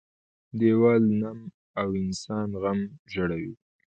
- دیوال نم او انسان غم زړوي.